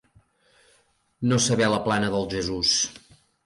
No saber la plana del Jesús.